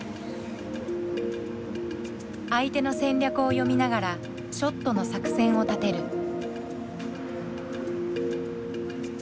相手の戦略を読みながらショットの作戦を立てる。